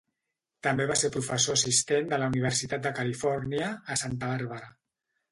També va ser professor assistent a la Universitat de Califòrnia, a Santa Bàrbara.